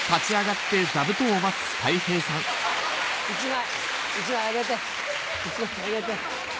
１枚１枚あげて１枚あげて。